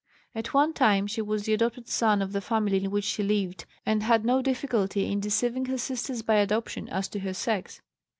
At one time she was the adopted son of the family in which she lived and had no difficulty in deceiving her sisters by adoption as to her sex.